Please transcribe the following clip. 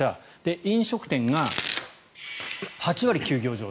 飲食店が８割休業状態。